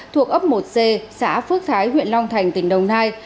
thuộc ấp một c xã phước thái huyện long thành tỉnh đồng nai